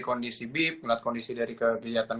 kondisi bip melihat kondisi dari kegiatan